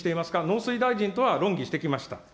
農水大臣とは論議してきました。